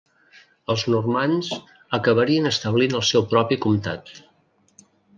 Els normands acabarien establint el seu propi comtat.